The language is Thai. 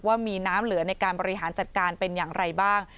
ว่ามีน้ำเหลือในการบริหารจัดการเป็นอย่างไรบ้าง